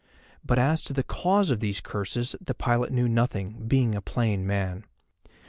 But as to the cause of these curses the pilot knew nothing, being a plain man.